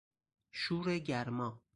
شور گرما